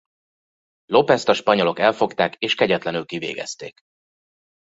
Lópezt a spanyolok elfogták és kegyetlenül kivégezték.